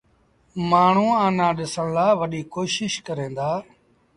مآڻهوٚݩ آنآ ڏسڻ لآ وڏيٚ ڪوشيٚش ڪريݩ دآ۔